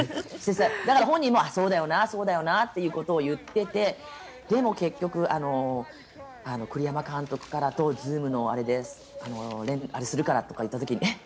だから本人も、ああそうだよなということを言っていてでも結局、栗山監督からＺｏｏｍであれするからって言った時にえ？